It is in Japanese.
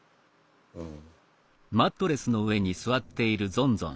うん。